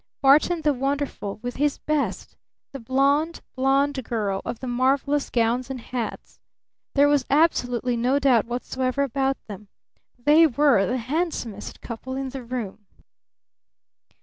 Barton the wonderful with his best, the blonde, blonde girl of the marvelous gowns and hats. There was absolutely no doubt whatsoever about them. They were the handsomest couple in the room!